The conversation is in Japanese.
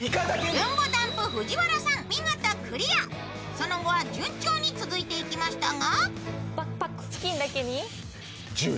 その後は順調に続いていきましたが。